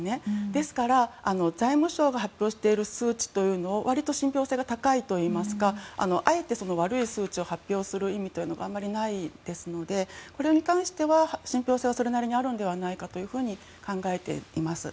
ですから、財務省が発表している数値というのは割と信ぴょう性が高いといいますかあえて悪い数値を発表する意味というのがあまりないのでこれに関しては、信ぴょう性はそれなりにあると考えています。